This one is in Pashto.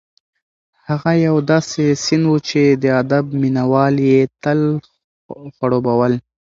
هغه یو داسې سیند و چې د ادب مینه وال یې تل خړوبول.